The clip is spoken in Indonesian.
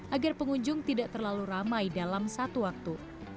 agar pengunjung tidak terlalu ramai dalam satu waktu